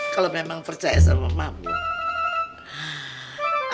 kalau memang percaya sama mabuk